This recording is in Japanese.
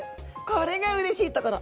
これがうれしいところ。